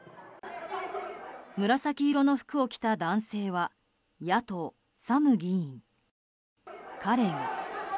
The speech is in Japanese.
紫色の服を着た男性は野党、サム議員。